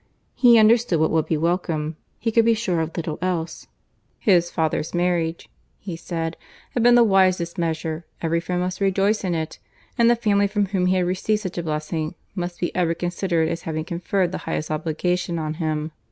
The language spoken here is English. He understood what would be welcome; he could be sure of little else. "His father's marriage," he said, "had been the wisest measure, every friend must rejoice in it; and the family from whom he had received such a blessing must be ever considered as having conferred the highest obligation on him."